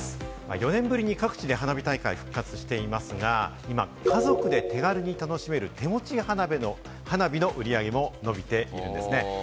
４年ぶりに各地で花火大会が復活していますが、今、家族で手軽に楽しめる手持ち花火の売り上げも伸びているんですね。